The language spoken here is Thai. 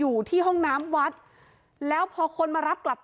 แต่ในคลิปนี้มันก็ยังไม่ชัดนะว่ามีคนอื่นนอกจากเจ๊กั้งกับน้องฟ้าหรือเปล่าเนอะ